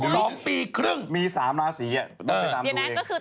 สองปีครึ่งมีสามราศีต้องไปตามดูเอง